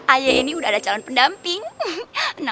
aye ini udah ada calon pendampingan ya